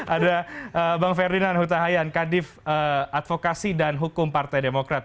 ada bang ferdinand huta hayan kadif advokasi dan hukum partai demokrat